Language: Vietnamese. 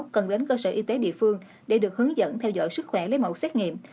cần đến cơ sở y tế địa phương để được hướng dẫn theo dõi sức khỏe lấy mẫu xét nghiệm